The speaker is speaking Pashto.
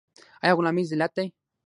آیا غلامي ذلت دی؟